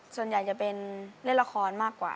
ส่วนใหญ่จะเป็นเล่นละครมากกว่า